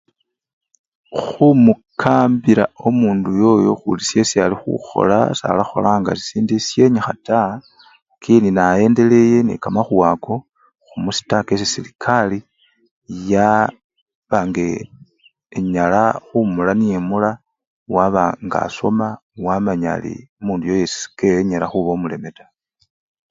Khumukambila omundu oyoyo khuli syesi alikhukhola salakholanga sisindu sisyenyikha taa lakini nayendelee nekamakhuwa ako, khumusitaka esi serekari yaba nga enyala khumura niye emura waba ngasoma wamanya ari omundu oyo yesi sekenya khuba omuleme taa.